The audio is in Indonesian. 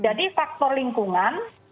tidak hanya faktor lingkungan tapi juga ekosistem